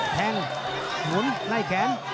ทางหมุนไหนแขน